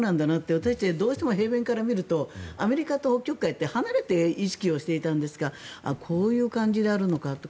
私たちどうしても平面から見るとアメリカと北極海って離れて意識していたんですがこういう感じであるのかと。